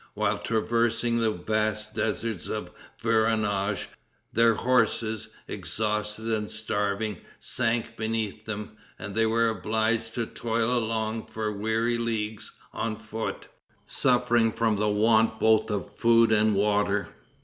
While traversing the vast deserts of Veronage, their horses, exhausted and starving, sank beneath them, and they were obliged to toil along for weary leagues on foot, suffering from the want both of food and water.